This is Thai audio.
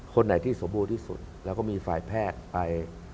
คนไหนที่สมบูรณ์ที่สุดแล้วก็มีฝ่ายแพทย์ไป